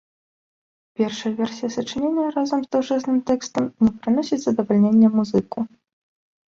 Першая версія сачынення разам з даўжэзным тэкстам не прыносіць задавальнення музыку.